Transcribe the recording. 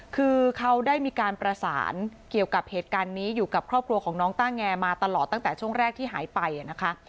คือเขาได้มีการประสานเกี่ยวกับเหตุการณ์นี้อยู่กับครอบครัวของน้องต้าแงมาตลอดตั้งแต่ช่วงแรกที่หายไปนะคะ